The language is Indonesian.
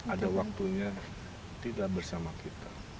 ada waktunya tidak bersama kita